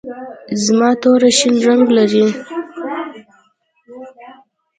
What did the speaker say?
زما توره شین رنګ لري.